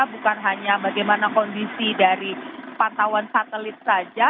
bukan hanya bagaimana kondisi dari pantauan satelit saja